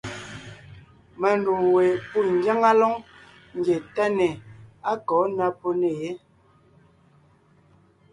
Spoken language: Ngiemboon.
Má ndûm we pû ngyáŋa lóŋ ńgie táne á kɔ̌ ná pó nè yé.